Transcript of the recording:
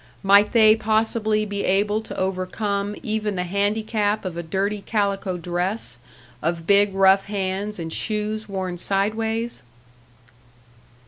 Might they possibly be able to overcome even the handicap of a dirty calico dress, of big rough hands and shoes worn sideways?